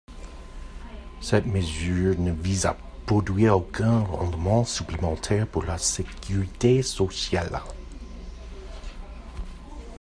Cette mesure ne vise à produire aucun rendement supplémentaire pour la Sécurité sociale.